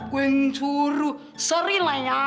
gue yang suruh sorry lah ya